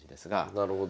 なるほど。